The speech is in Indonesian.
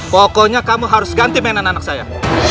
pokoknya kamu harus ganti mainan anak saya